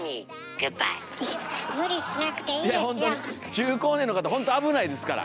中高年の方ほんと危ないですから。